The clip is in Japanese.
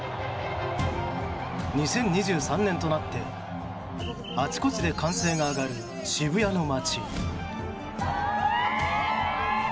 ２０２３年となってあちこちで歓声が上がる渋谷の街。